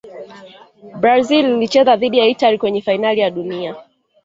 brazil ilicheza dhidi ya italia kwenye fainali ya dunia